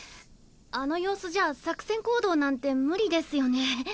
あの様子じゃ作戦行動なんて無理ですよね？